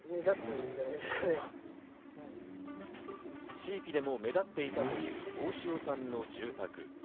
地域でも目立っていたという大塩さんの住宅。